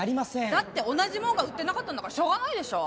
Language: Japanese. だって同じものが売ってなかったんだからしょうがないでしょ！